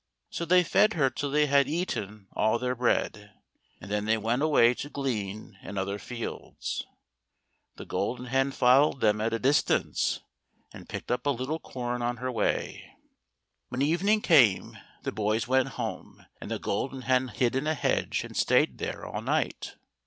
So they fed her till they had eaten all their bread, and then they went away to glean in other fields. The Golden Hen followed them at a distance, and picked up a little corn on her way. When even 56 THE GOLDEN HEN. iiig came the boys went home, and the Golden Hen hid in a hedge, and stayed there all night.